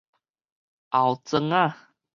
後莊子